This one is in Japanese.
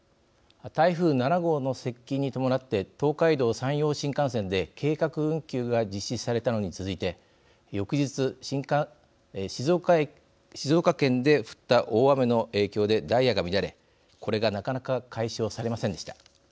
台風７号の接近に伴って東海道・山陽新幹線で計画運休が実施されたのに続いて翌日静岡県で降った大雨の影響でダイヤが乱れこれがなかなか解消されませんでした。